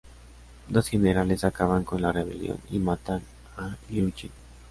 Dos generales acaban con la rebelión y matan a Liu Jin.